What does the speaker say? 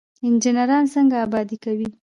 انجنیران څنګه ابادي کوي؟